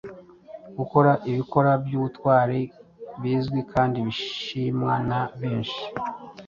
gukora ibikora by’ubutwari bizwi kandi bishimwa na benshi.